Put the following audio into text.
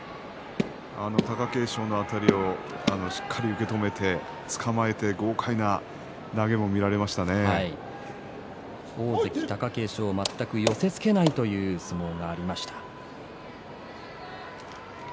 貴景勝のあたりをしっかりと受け止めてつかまえて大関貴景勝を全く寄せつけないという相撲もありました。